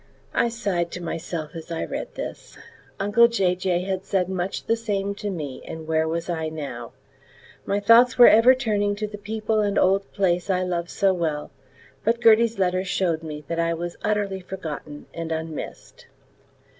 I sighed to myself as I read this. Uncle Jay Jay had said much the same to me, and where was I now? My thoughts were ever turning to the people and old place I love so well, but Gertie's letters showed me that I was utterly forgotten and unmissed.